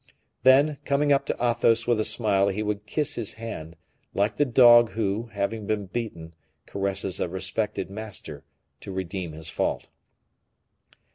Then, coming up to Athos with a smile, he would kiss his hand, like the dog who, having been beaten, caresses a respected master, to redeem his fault.